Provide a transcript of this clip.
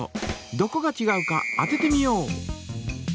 どこがちがうか当ててみよう！